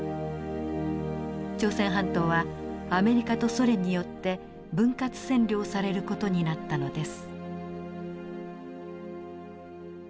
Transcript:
朝鮮半島はアメリカとソ連によって分割占領される事になったのです。